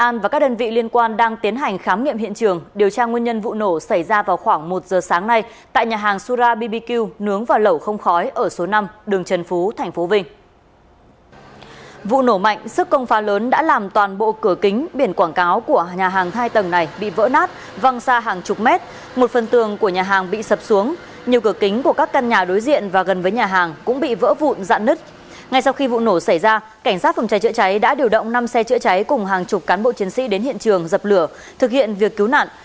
sau khi vụ nổ xảy ra cảnh sát phòng cháy chữa cháy đã điều động năm xe chữa cháy cùng hàng chục cán bộ chiến sĩ đến hiện trường dập lửa thực hiện việc cứu nạn